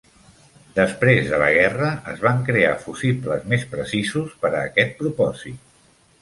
Després de la guerra es van crear fusibles més precisos per a aquest propòsit.